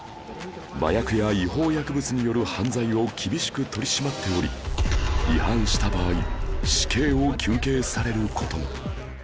麻薬や違法薬物による犯罪を厳しく取り締まっており違反した場合死刑を求刑される事も